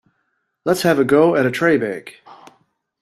Let's have a go at a tray bake.